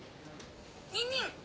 ニンニン。